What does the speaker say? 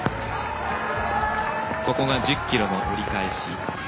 ここが１０ｋｍの折り返し。